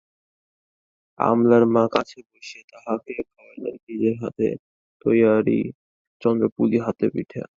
আমলার মা কাছে বসিয়া তাহাকে খাওয়াইলেন, নিজের হাতের তৈয়ারি চন্দ্রপুলি পাতে দিলেন।